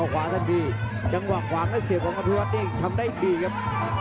คะตัวเขาก็เสียดด้วยของขวาทันดีครับ